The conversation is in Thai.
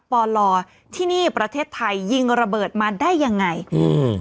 ปลที่นี่ประเทศไทยยิงระเบิดมาได้ยังไงอืม